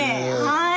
はい。